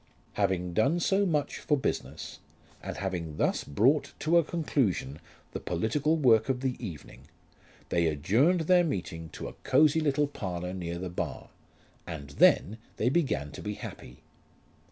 Having done so much for business, and having thus brought to a conclusion the political work of the evening, they adjourned their meeting to a cosy little parlour near the bar, and then they began to be happy.